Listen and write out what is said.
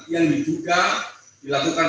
yang juga dilakukan